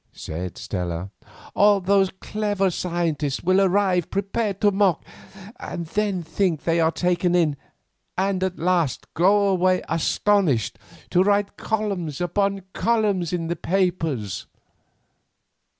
said Stella. "All those clever scientists will arrive prepared to mock, then think they are taken in, and at last go away astonished to write columns upon columns in the papers."